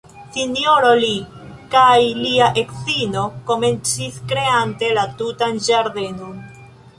Sinjoro Lee kaj lia edzino komencis kreante la tutan ĝardenon.